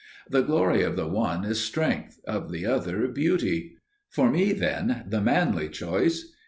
The glory of the one is strength, of the other beauty. For me, then, the manly choice.